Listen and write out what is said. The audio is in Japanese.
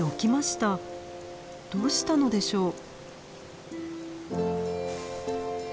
どうしたのでしょう。